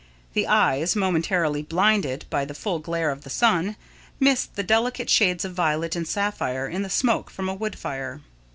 The eyes, momentarily blinded by the full glare of the sun, miss the delicate shades of violet and sapphire in the smoke from a wood fire.